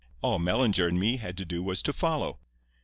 All Mellinger and me had to do was to follow.